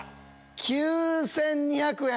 ９２００円。